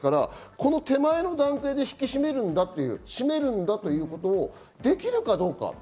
この手前の段階で引き締めるんだということをできるかどうか。